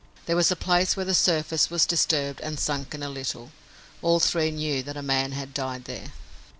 There was a place where the surface was disturbed and sunken a little. All three knew that a man had died there.